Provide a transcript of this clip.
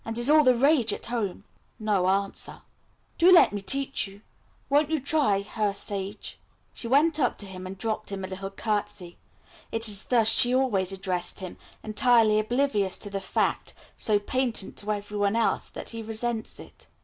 "And is all the rage at home." No answer. "Do let me teach you. Won't you try, Herr Sage?" She went up to him and dropped him a little curtesy. It is thus she always addresses him, entirely oblivious to the fact, so patent to every one else, that he resents it.